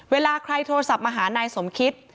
เวลาใครโทรศัพท์มาหานายสมคิต